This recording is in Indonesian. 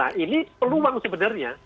nah ini peluang sebenarnya